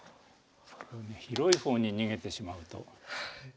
広い方に逃げてしまうと。